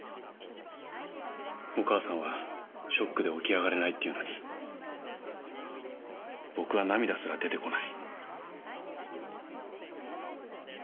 お母さんはショックで起き上がれないっていうのに僕は涙すら出てこない。